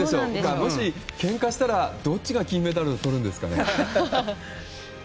もし、けんかしたら、どっちが金メダルをとるんですかね？